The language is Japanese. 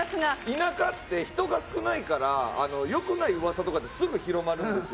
田舎って人が少ないから良くない噂とかってすぐ広まるんですよ。